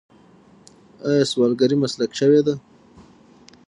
آیا سوالګري مسلک شوی دی؟